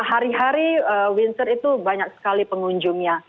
hari hari windsor itu banyak sekali pengunjungnya